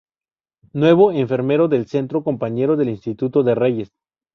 Nuevo enfermero del centro, compañero de instituto de Reyes.